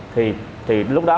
thì lúc đó bánh xèo nó đẹp